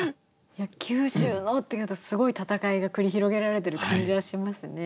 「急襲の」っていうとすごい戦いが繰り広げられてる感じはしますね。